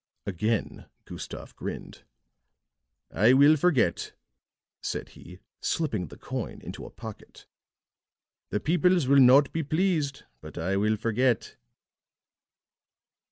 Again Gustave grinned. "I will forget," said he, slipping the coin into a pocket. "The peoples will not be pleased, but I will forget."